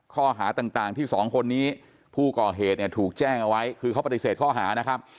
ข้อหาต่างที่สองคนนี้ผู้ก่อเหตุเนี่ยถูกแจ้งเอาไว้คือเขาปฏิเสธข้อหานะครับ